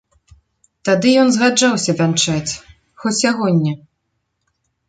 Тады ён згаджаўся вянчаць, хоць сягоння.